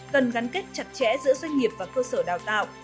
cần gắn kết chặt chẽ giữa doanh nghiệp và cơ sở đào tạo